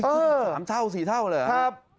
โอ้โฮขึ้นมา๓เท่า๔เท่าเหรอครับ